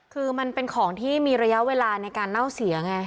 คือมันเป็นของที่มีระยะเวลาในการเน่าเสียไง